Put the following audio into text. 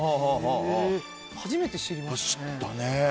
初めて知りましたね。